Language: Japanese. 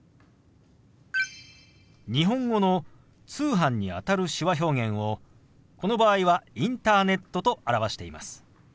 日本語の「通販」にあたる手話表現をこの場合は「インターネット」と表しています。